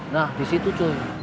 nah di situ cuy